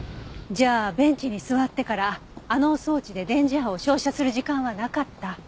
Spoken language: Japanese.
じゃあベンチに座ってからあの装置で電磁波を照射する時間はなかった。